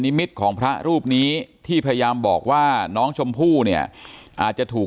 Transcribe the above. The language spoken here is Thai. มิตของพระรูปนี้ที่พยายามบอกว่าน้องชมพู่เนี่ยอาจจะถูก